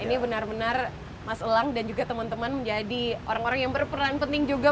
ini benar benar mas elang dan juga teman teman menjadi orang orang yang berperan penting juga